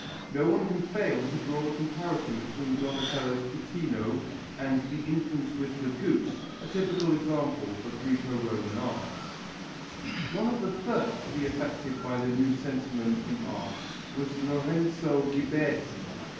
No one can fail to draw a comparison between Donatello's puttino and the "Infant with the Goose," a typical example of Græco Roman art. One of the first to be affected by the new sentiment in art was Lorenzo Ghiberti.